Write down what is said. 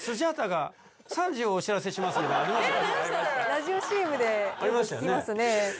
ラジオＣＭでよく聞きますね。